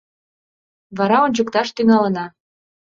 Вара ончыкташ тӱҥалына!